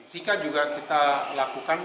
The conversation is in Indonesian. zika juga kita lakukan